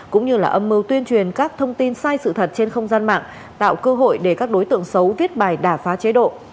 cũng như là âm mưu tuyên truyền các thông tin sai sự thật trên không gian mạng tạo cơ hội để các đối tượng xấu viết bài đà phá chế độ